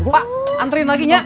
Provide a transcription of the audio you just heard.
pak anterin lagi ya